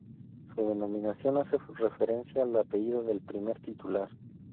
Su denominación hace referencia al apellido del primer titular.